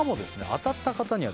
当たった方にはですね